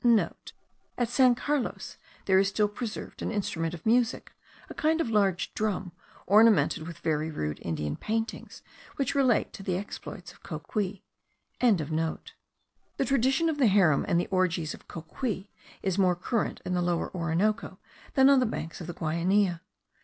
(* At San Carlos there is still preserved an instrument of music, a kind of large drum, ornamented with very rude Indian paintings, which relate to the exploits of Cocuy.) The tradition of the harem and the orgies of Cocuy is more current in the Lower Orinoco than on the banks of the Guainia.